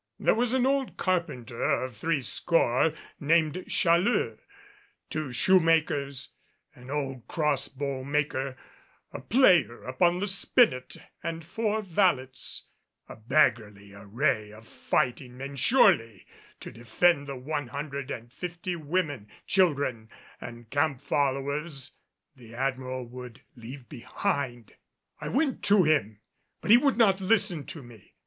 There was an old carpenter of threescore named Challeux, two shoemakers, an old cross bow maker, a player upon the spinet and four valets a beggarly array of fighting men surely to defend the one hundred and fifty women, children and camp followers the Admiral would leave behind! I went to him, but he would not listen to me.